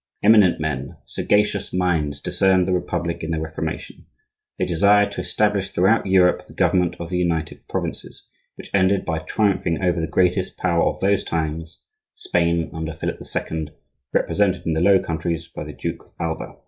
Eminent men, sagacious minds, discerned the Republic in the Reformation; they desired to establish throughout Europe the government of the United Provinces, which ended by triumphing over the greatest Power of those times,—Spain, under Philip the Second, represented in the Low Countries by the Duke of Alba.